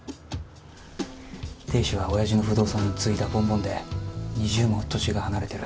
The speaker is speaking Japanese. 亭主は親父の不動産屋を継いだボンボンで２０も年が離れてる。